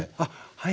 はい。